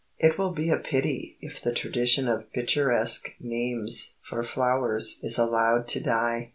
It will be a pity if the tradition of picturesque names for flowers is allowed to die.